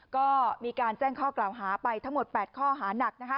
ก็มีการแจ้งข้อกล่าวหาไปทั้งหมด๘ข้อหานัก